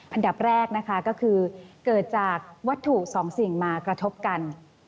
อันดับแรกนะคะก็คือเกิดจากวัตถุสองสิ่งมากระทบกัน